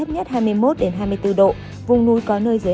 nhiệt độ thấp nhất hai mươi một hai mươi bốn độ vùng núi có nơi dưới hai mươi độ